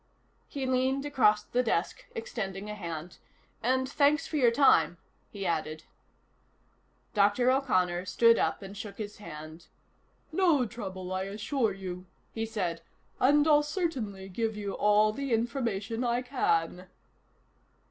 He leaned across the desk, extending a hand. "And thanks for your time," he added. Dr. O'Connor stood up and shook his hand. "No trouble, I assure you," he said. "And I'll certainly give you all the information I can."